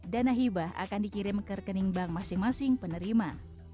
dana hibah akan dikirim ke rekening bank masing masing penerima